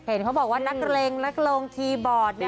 เขาบอกว่านักเร็งนักรงค์ทีบอร์ดเนี่ย